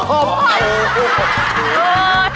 โคม